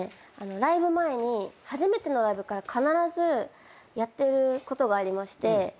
ライブ前に初めてのライブから必ずやってることがありまして。